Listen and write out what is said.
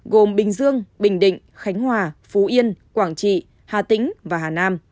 gồm bình dương bình định khánh hòa phú yên quảng trị hà tĩnh và hà nam